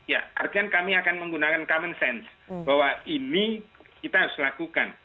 ya artinya kami akan menggunakan common sense bahwa ini kita harus lakukan